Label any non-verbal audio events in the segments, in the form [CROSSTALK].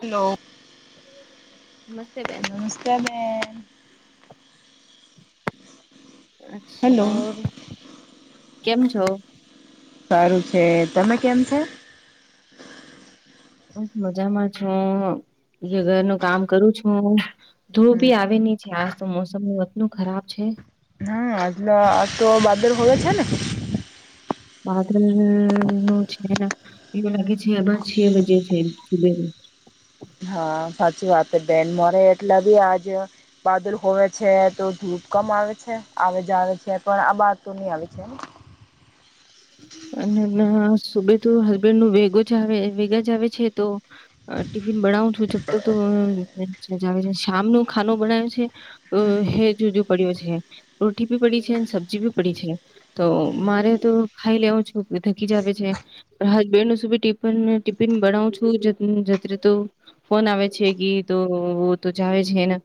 Hello. નમસ્તે બેન નમસ્તે મેમ. અચ્છા કેમ છઓ. સારું છે તમે કેમ છેો. બસ મજામાં છું એ ઘરનું કામ કરું છું ધૂળ હમ બી આવેની છે આ તો મોસમ અતલું ખરાબ છે. હા આજલા આ તો બારર હો છે ને. વાદલ નું છે એવું લાગે છે આભાર છે વજે છે સુબેર. [UNINTELLIGIBLE] હા સાચી વાત બેન મોરે એટલા બી આજ બાદલ હોવે છે તો ધૂપ. કમ આવે છે આવે જ આવે છે પણ આ બા તો નહી આવે છે. અને ના સુબે તો હસબેન્ડ નું વેગ જ વેગા જ આવે છે તો ટિફિન બ [UNINTELLIGIBLE] છે રોટી બી પડી છે સબ્જી બી પડી છે તો મારે તો ખાઈ લેઉ છું થકી જ આવે છે. હસબન્ડ નું શુબે ટફ ટિફિન બનાવું છું. તો ફોન આવે છે કે તો તો જાવ છેને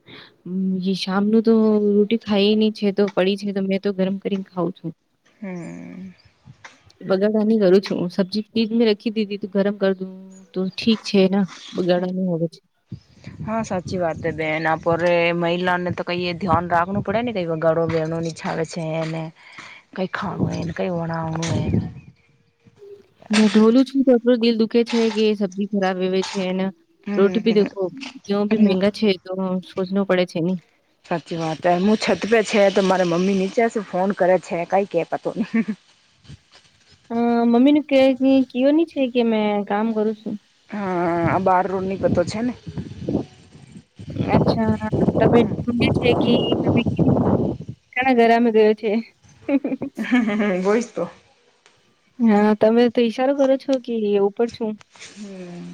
સામનું. તો રોટી ખાય નહી છે તો પડી છે તો મેં તો ગરમ કરીને ખાવઉ છું. હમ્મ. બગાડવાની કરું છું હું સબ્જીરીજ મેં રખી દીધી તું ગરમ કર દું તો ઠીક છે ને બગાડ. હોવે છે. હા સાચી વાત બેન આપોરે મહિલા ને તો કઈ ધ્યાન રાખવું પડે ને કઈ ગળો બે. છ આવેે છે એને કઈ ખાનુ કઈ વણાવું એ. નાને ઢોલું છું તોડું દિલ દુખે છે કે સબ્જી ખરાબ આવેવે છેને. રોટી ભી દેખો હમ ભી મંંગા છે તો સોચનો પડે છે ને. સાચી વાત હ હું છતપે છે તો મારા મમ્મી નીચે ફોન કરે છે કઈ કે પતો નહી. હ મમ્મી ન ક કવ ની છે કે મે કામ કરું છું. હા બાર રૂની કત છેને. અચ્છા. તમે જો છે કે તમે કણા ગરામાં ગયો છે. હમ હ હ બોઈ તો. હા તમે તો ઈશારો કરો છો કે ઉપર છું. હમ્મ.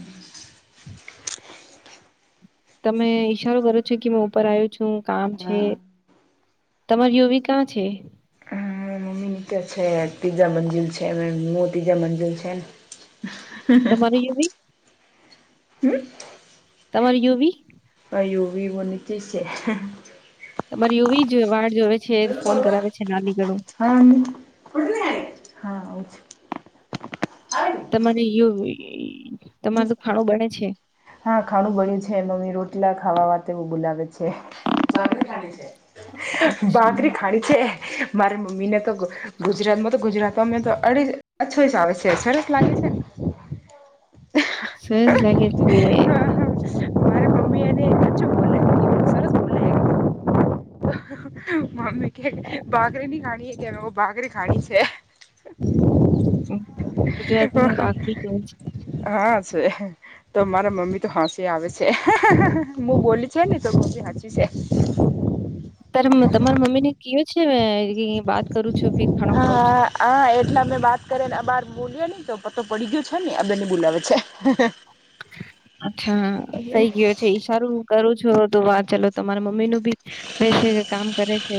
તમે ઈશારો કરો છો કે મે ઉપર આવું છું કામ છે. હા તમાર યુવી કાં છે? હા મમ્મી કે છે ત્રીજા મંજિલ છે મો ત્રીજા મંજિલ છે. તમારે યુવી. હમ્મ તમારે યુવી યુવી વો છે તમારે યુવી જ વાળ જોવે છે હા ફોન કરાવે છે નાની કળું હા આવું છું. તમારે યુવી તમારું તો ખાણું બને છે હા ખાણું બળ્યું છે મમ્મી રોટલા ખાવા વું બોલાવે છે [UNINTELLIGIBLE] અચ્છા. બાકરી ખાણી છે મારે મમ્મી તો ગુજરાતમાં તો ગુજરાત અમે તો અડી અછો આવે છે સરસ લાગે છે સરસ જ લાગે છે મારા મમ્મી એને અછું બોલે સરસ બોલે મમ્મી કે બાખરી ની ખાણી એ કે બાખરી ખાણી છે ગુજરાતીમાં બાકરી કેવું છે હાં. તો મારા મમ્મી તો હસી આવે છે હું બોલી છે ને તો મમ્મી હસી છે. તમારા મમ્મી ને કયો છે વાત કરું છું. ફિર ખાણો ખાઉં હા છું હા એટલા મે વાત કરે બોલ્યા નહી તો પતો પડી ગયો છે ને આ બંને બોલાવે છે અચ્છા થઈ ગયો છે ઈ સારું કરું છું તો વાત ચાલો તમારા મમ્મી નું ભી બેસે છે કે કામ કરે છે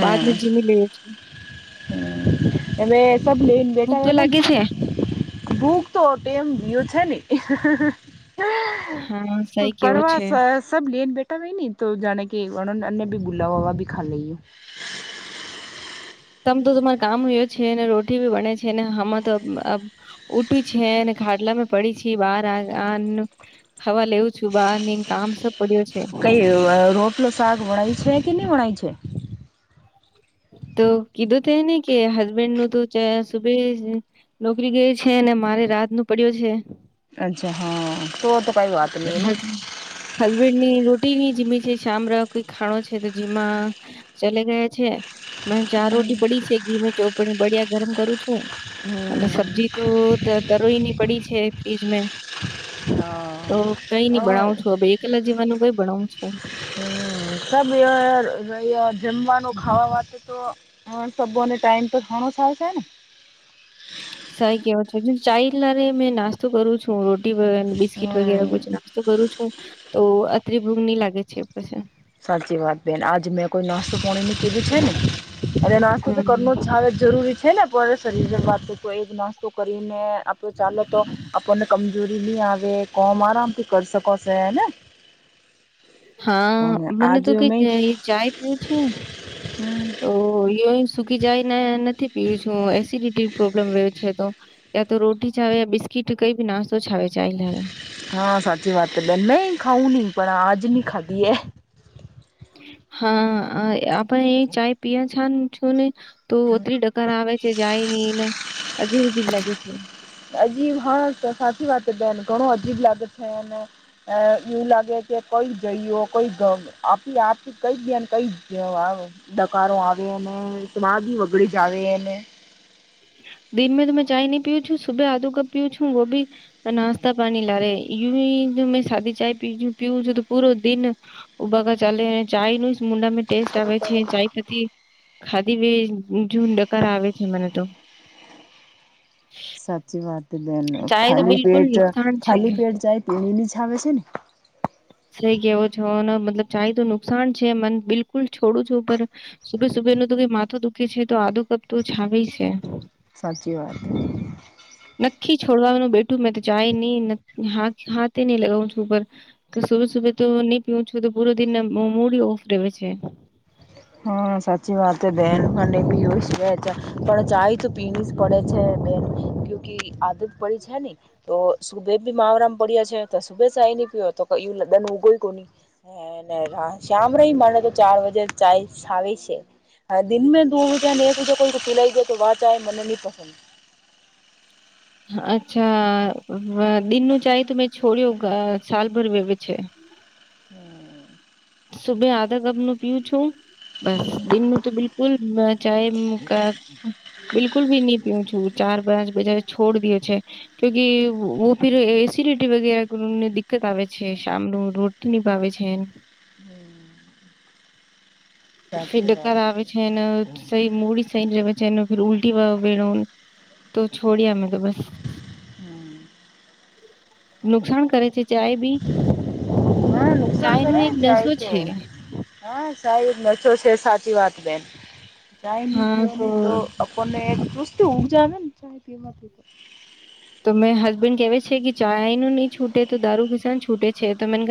બાદ મે જીમી લઈએ છે એ સબ લેન ભૂખ બેટા તો એલા લાગે છે ભૂક તો એમ વ્યુ છે ને હા સહી કેવો પડવા છે સબ લેન બેઠ હુતા વયે ની તો જાણે કે અને ભી બુલા વા ભી ખા લઈ તમ તો તમાર કામયો છેને રોટી બી બને છે ને હમાં તો ઉઠી છે ખાટલા મે પડી છે બાર આને હવા લેવું છું બાર કામ સબ પડ્યો છે કઈ રોટલો શક વણાય છે કે નહી વણાય છે [INAUDIBLE] તો કીધું ત ને કે હસબેન્ડ નું તો સુભે નોકરી ગઈ છે અને મારે રાત નું પડ્યો છે અચ્છા હા તો તો કઈ વાત નહી ને હલવી ની રો ની જીમી છે શામળ કોઈ ખાણો છે તો જીમાં ચલે ગયા છે મ ચાર હમ રોટી પડી છે ઘી મે ચોપડી બળિયા ગરમ કરું છું અને સબ્જી તો તરોઈ ની પડી છે ફ્રીજ મે તો કઈ નઈ ભણાવું છો હ એ કલા જવાનું કઈ બનાઉ છુ હમ સબ જમવાનું ખાવા વાથી તો હ સબોને ટાઈમ પર ઘણો સાલશે ને સઈ કેવા છો ચાલા રે મેં નાસ્તો કરું છું બિસ્કીટ વગેરે હમ નાસ્તો કરું છું તો અત્રી ભૂંક ની લાગે છે પછી સાચી વાત બેન આજ મેં કોઈ નાસ્તો પાણી ન કીધું છે ને અને નાસ્તો તો કરનો હમ છાવ જરૂરી છે ને શરીર વાત તો એ નાસ્તો કરીને આપડ ચાલે તો આપણને ક જૂરી નહી આવે કોમ આરામથી કરી શકો છેને હા મને તો કઈ ચાય પ્યું છું તો સુકી જાય ને નથી પીવું છું એસિડિટી પ્રોબ્લેમ રહ્યો છે તો તયા તો રોટી ચાવ બિસ્કીટ કઈ બી નાસ્તો ચાવ હા સાચી વાત તો બે નહી ખાઉ નહી પણ આ જ ન ખાધીએ હા આપણે એ ચાય પ છ છ ને તો આછી ડકાર આવે છે જાય નહ એને અજીબ લાગે છે. અજીબ હા તો સાચી વાત બેન ઘણું અજીબ લાગે છે અને એવું લાગે કે કોઈ જઈઓ કોઈ આપી આપથી કઈ બેન કઈ જ દકારો આવે ને સાદ વગડે જ આવે ને [INAUDIBLE] દિન મે તો મેં ચાય ન પીઉ છું સુબે આધું કપ પીઉ છું વો ભી નાસ્તા પાણી લા ર યુ મેં શાદી ચાય પી પી છું તો પૂરો દિ ઉભાકા ચાલે ચાય ન મુુંડા મે ટેસ્ટ આવે છે ચાય પતી ખાધી બે જૂન ડકારા આવે છે મને તો સાચી વાત દેન ચાય તો ખ બિલકુલ પેટ નુકસાન છે ખ પેટ જાય તેનીની છ આવેે છે ને [UNINTELLIGIBLE] મતલબ ચાય તો નુકસાન છે મન બિલકુલ છોડું છું પર સુભે સુભેનું તો માથું દુઃખે છે તો ધુ કપ તું છાવી છે. સાચી વાત નક્કી છોડવાનું બેઠું મેં તો જાય નહી હાથે ન લગાવું છું પર સુબે સુબે તો નહી પીવ છું તો પૂરો દિન મૂડી ઓફ રેવે છે હા સાચી વાત બેન અને એ બી યુસ સે પણ ચાય તો પીવી જ પડે છે. કુકી આદત પડી છે ને તો સુબે ભી મારામ પડ્યા છે તો સુબે નય પીઓતો એ લદન ઉગો કોને અને રા શામ રે માને તો ચાર વજે ચાય સાવ છે. હ દિં દૂરજ નેક હજે કોઈ ખિલાઈ જયા તો વાત ચહે મને ન પસંદ [INAUDIBLE] અચ્છા દિનનું ચાય ત મેં છોડ્યો સાલભર વ છે. [INAUDIBLE] સુભે આધા કપ નું પીું છું બસ દિનનું તો બિલકુલ ચાહે મુકા બિલકુલી નીપીઉં છું ચાર પાંચ બજા છોડ દયો છે કુકી વ ફર એ સિ રટી વગે ને દિક્કત આવે છે શમનું રોટી નનીભાવે છે. હમ ફિડ સાચી વાત ઘર આવે છે સહી મૂડી સહી રહે છે. જ ફર ઉલ્ટટી બેળન તો છડિયામાં તો બસ હમ નુકસાન કરે છે. ચાય બી હા નુકસાન ચાય કરે નો એક ને જાય નશો તો છે. હા સાહેબ ન છો છે સાચી વાત બેન ચાય ની પીવાની તો આપણને ચસ્તી ઉપજ આવે ને ચાય પીવા માંથી તો તો મેં હસબેન્ડ કહેવે છે કે ચાય નહીઈ છૂટે તો દારૂ કિસાન છૂટે છે તો મેન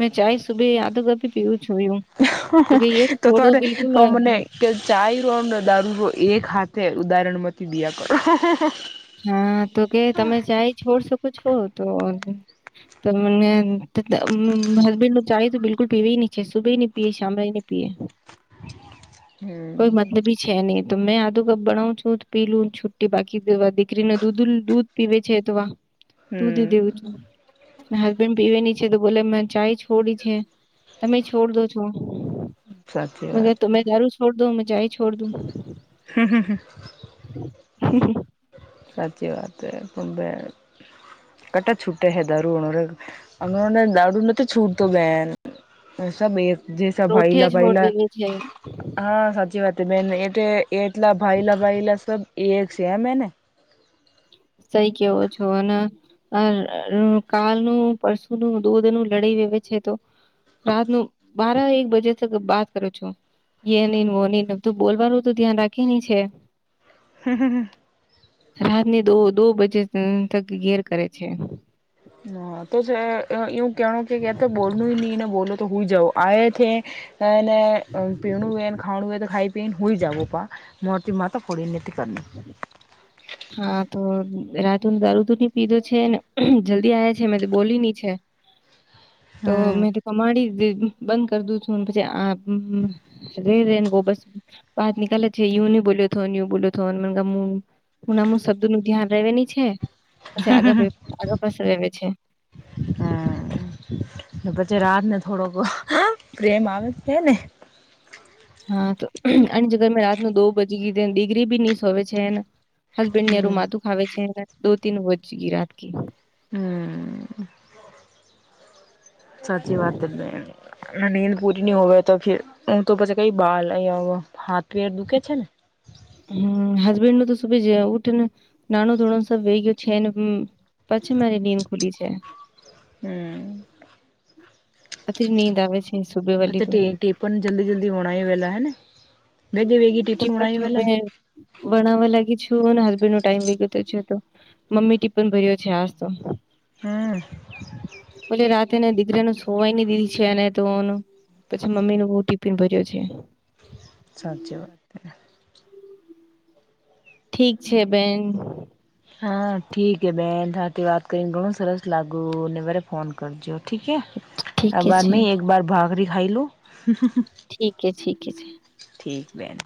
મેં ચાય સુભી યાધ કપી પીવુ તો તને બિલકુલ તો અ મને ચાઈ રોને દારૂ એ ખા તે ઉદાહરણમાંથી દયા કરો હા તો કે તમે ચાય છોડ શકો છો તો તમને હસબેન્ડ નું ચાાય તો બિલકુલ પીવેવી નહી છે સુબે ન પીએ શમે નહી પીએ કોઈ હમ મતલબી છે નહી તો મેં આધુ કપ બનાવું છું પીલું છુટટી બાકી દીકરીને દૂધ દૂધ પીવે છે અ તોવા હુમ હસબેન્ડ પીવે ની છે તો બો મે ચા છું. છોડી છે તમે છોડ દો છો સાચી મર વાત તમે તારું છોડ દો મ જાય છોડ દુંગી હા હા હા સાચી વાત ખુંબ કટા છૂટા હે દારૂ અનેને દારૂ નથી તો છૂટતો બેહેન સબ એ જેસે ભાઈલા રોટિયા છોડ ભાઈલા દેવી છે. હા સાચી વાત મે એ એટલા ભાઈલા ભાઈલા સબ એક છે એમ એને. સહી કેવો છો અને [UNINTELLIGIBLE] કાલનું પરશુનું દૂધ નું લડી [UNINTELLIGIBLE] રાતનું [UNINTELLIGIBLE] બારા એક બજે તક બાદ કરો છો. એ નહીં ને વો નહી તું બોલવાનું તો ધ્યાન રાખી છે હા હા હા રાતની દો દો બજે થક ઘેર કરે છે હા ત કેવાનું કે કતો બોલનું નહી એને બોલો તો હું જઉં આવે છે અને પીણું હોયને ખાવાણું હોય તો ખાઈ પેન હોય જાવ બા મોતી માથ પડી એને [UNINTELLIGIBLE] હા તો રાત દારૂ દૂ ની પીધો છે ને જલ્દી આવ છે મે બોલી નની છે તો હમ મેં તો કમાડી બંધ કર દું છું પછી આ રે ર ને બસ વાત નનીલે છે યું ન બોલ્યો યુ બોલ્યો [INAUDIBLE] મ હું નામ શબ્દ નું ધ્યાન રવાની છે [INAUDIBLE] પછી આગળ આગળ પાસ આવે છે હમ પછી રાત ને થોડોક પ્રેમ આવે જ છે ને હા તો આની જગર મેં રાત ન દો બજી ગીધું દિગરી બી નીસ હોવે છે એને હસબેન્ડ ને રું હમ માતું ખાવ છે દો તીન વજગી રાતકી હમ. સાચી વાત ના નીંદ પૂરી ન હોવે તોર ઉ તો પછી કઈ [UNINTELLIGIBLE] હાથપેર દુખે છે ને. હમ હસબેન્ડ નું તો સુભી જ ઉઠ ને નાનો ધોણો સબ વે ગયો છે ને પછી મારી નીદ ખુલી છે. હમ અજી નીંદ આવે છે. સુબે [UNINTELLIGIBLE] વાલી તો તેપણ જલ્દી જલ્દી હોણા વેલા હેને [UNINTELLIGIBLE] વણાવવા લાગી છે હસબેન્ડ નો ટાઈમ વિગતો છે તો મમ્મી ટીપન ભર્યો છે આજ તો હમ તેને દીકરીનું સોવાઈ ની [UNINTELLIGIBLE] છે અનેને તોનું પછી મમ્મી નું બહું ટિપિન ભર્યો છે સાચી વાત ઠીક છે બેન. ઠીકે બેન સાથેથી વાત કરીને ઘણું સરસ લાગ્યું મારે ફોન કરજો. ઠીક હે ઠીકે છે બાદ મે એકબાર ભાખરી ખાઈ લું. ઠીકે ઠીક એ છે. ઠીક બેન.